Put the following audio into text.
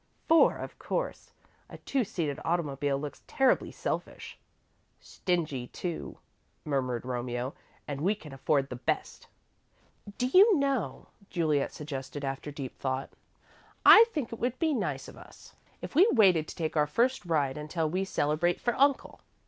"Four, of course. A two seated automobile looks terribly selfish." "Stingy, too," murmured Romeo, "and we can afford the best." "Do you know," Juliet suggested, after deep thought, "I think it would be nice of us if we waited to take our first ride until we celebrate for Uncle?"